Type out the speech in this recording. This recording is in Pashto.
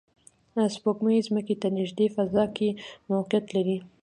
سپوږمۍ ځمکې ته نږدې فضا کې موقعیت لري